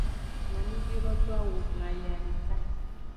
Nyonuvi lo do awu wlayaa deka.